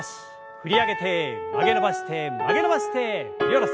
振り上げて曲げ伸ばして曲げ伸ばして振り下ろす。